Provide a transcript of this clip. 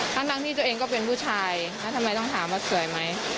ทั้งที่ตัวเองก็เป็นผู้ชายแล้วทำไมต้องถามว่าสวยไหม